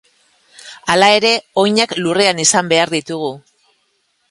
Hala ere, oinak lurrean izan behar ditugu.